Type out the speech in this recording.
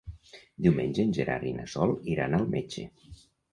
Diumenge en Gerard i na Sol iran al metge.